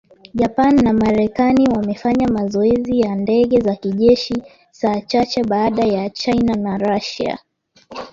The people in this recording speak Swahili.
Japan na Marekani wamefanya mazoezi ya ndege za kijeshi saa chache baada ya China na Russia.